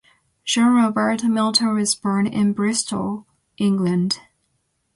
John Robert Milton was born in Bristol, England.